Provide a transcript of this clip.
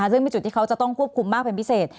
ซึ่งมีจุดที่เขาจะต้องควบคุมมากเป็นพิเศษ